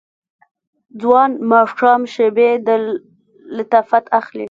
ځوان ماښام شیبې د لطافت اخلي